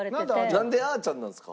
なんで「あーちゃん」なんですか？